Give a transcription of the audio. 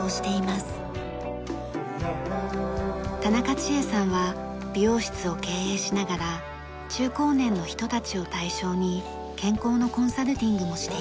田中千恵さんは美容室を経営しながら中高年の人たちを対象に健康のコンサルティングもしています。